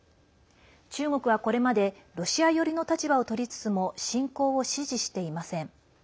中国はこれまでロシア寄りの立場をとりつつも侵攻を支持していません。